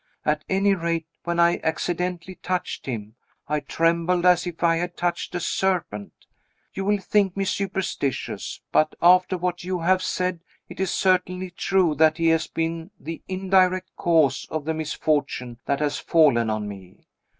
At any rate, when I accidentally touched him, I trembled as if I had touched a serpent. You will think me superstitious but, after what you have said, it is certainly true that he has been the indirect cause of the misfortune that has fallen on me.